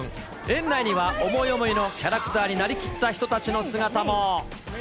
園内には思い思いのキャラクターになりきった人たちの姿も。